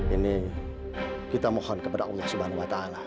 ini kita mohon kepada allah swt